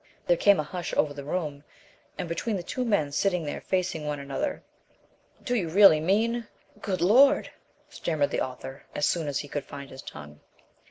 There came a strange hush over the room, and between the two men sitting there facing one another. "Do you really mean Good Lord!" stammered the author as soon as he could find his tongue.